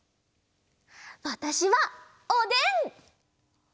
わたしはおでん！